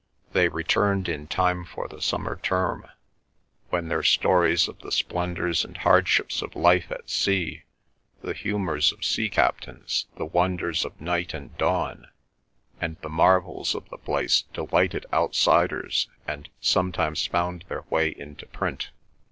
They returned in time for the summer term, when their stories of the splendours and hardships of life at sea, the humours of sea captains, the wonders of night and dawn, and the marvels of the place delighted outsiders, and sometimes found their way into print.